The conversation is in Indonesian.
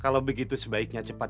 kalau begitu sebaiknya cepat